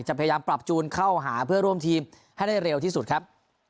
พยายามปรับจูนเข้าหาเพื่อร่วมทีมให้ได้เร็วที่สุดครับ